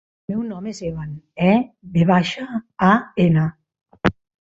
El meu nom és Evan: e, ve baixa, a, ena.